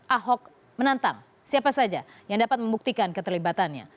ahok menantang siapa saja yang dapat membuktikan keterlibatannya